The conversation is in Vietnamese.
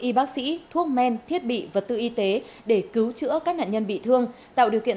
y bác sĩ thuốc men thiết bị vật tư y tế để cứu chữa các nạn nhân bị thương tạo điều kiện